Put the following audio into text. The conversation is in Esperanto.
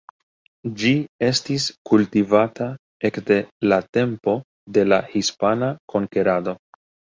Ĝi estis kultivata ekde la tempo de la hispana konkerado.